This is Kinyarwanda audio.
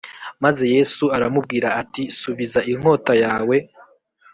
Maze yesu aramubwira ati subiza inkota yawe